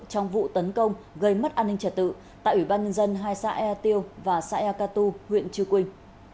trong vụ tấn công gây mất an ninh trẻ tự tại ủy ban nhân dân hai xã ea tiêu và xã ea cà tu huyện chư quỳnh